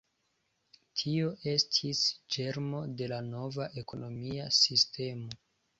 Tio estis ĝermo de la nova ekonomia sistemo.